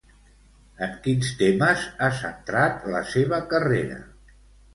En quins temes ha centrat la seva carrera?